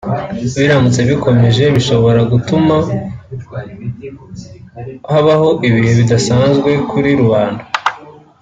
biramutse bikomeje bishobora gutuma habaho ibihe bidasanzwe kuri rubanda